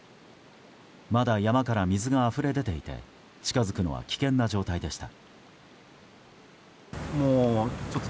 まだ山から水があふれ出ていて近づくのは危険な状態でした。